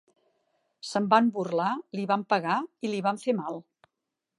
Se'n van burlar, li van pegar i li van fer mal.